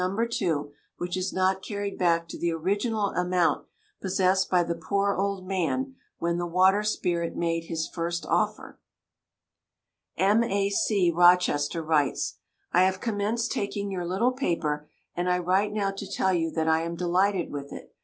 2, which is not carried back to the original amount possessed by the poor old man when the water spirit made his first offer. M. A. C., Rochester, writes: I have commenced taking your little paper, and I write now to tell you that I am delighted with it.